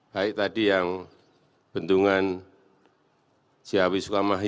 baik tadi yang bendungan ciawi sukamahi